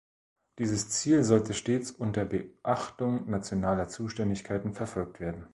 Dieses Ziel sollte stets unter Beachtung nationaler Zuständigkeiten verfolgt werden.